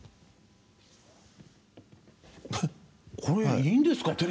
これいいんですか？